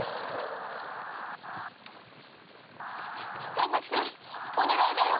神崎さんお願いだよ。